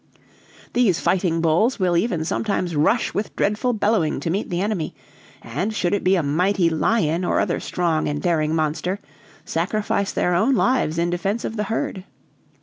"These fighting bulls will even sometimes rush with dreadful bellowing to meet the enemy; and should it be a mighty lion or other strong and daring monster, sacrifice their own lives in defense of the herd.